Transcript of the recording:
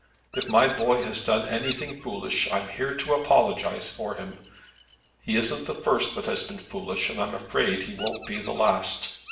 If my boy has done anything foolish I'm here to apologize for him. He isn't the first that has been foolish, and I'm afraid he won't be the last.